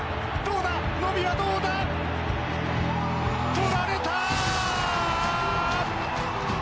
とられた！